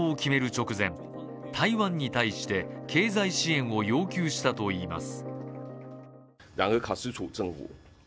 直前台湾に対して経済支援を要求したといいます。